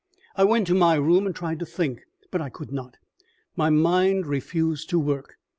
I went to my room and tried to think, but I could not. My mind refused to work.